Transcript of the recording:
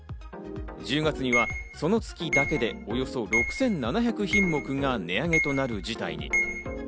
１０月にはその月だけで、およそ６７００品目が値上げとなる事態に。